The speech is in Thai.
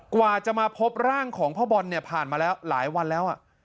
กว่าจะมาพบร่างของพ่อบอลเนี่ยผ่านมาแล้วหลายวันแล้ว